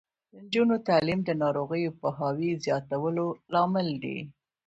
د نجونو تعلیم د ناروغیو پوهاوي زیاتولو لامل دی.